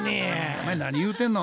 お前何言うてんの？